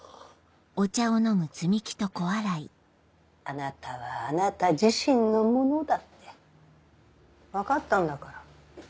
あなたはあなた自身のものだって分かったんだから。